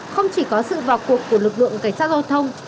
không chỉ có sự vào cuộc của lực lượng cảnh sát giao thông